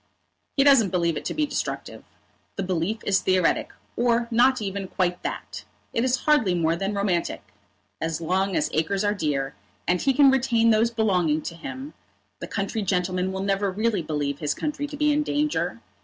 "He doesn't believe it to be destructive. The belief is theoretic, or not even quite that. It is hardly more than romantic. As long as acres are dear, and he can retain those belonging to him, the country gentleman will never really believe his country to be in danger.